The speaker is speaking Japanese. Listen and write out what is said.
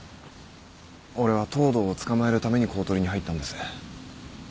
俺は藤堂を捕まえるために公取に入ったんです。